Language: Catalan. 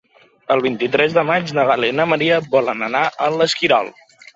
El vint-i-tres de maig na Gal·la i na Maria volen anar a l'Esquirol.